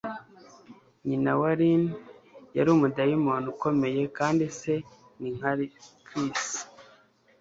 Nyina wa Rhyn yari umudayimoni ukomeye, kandi se ni nka Kris.